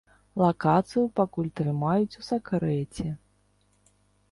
Лакацыю пакуль трымаюць у сакрэце.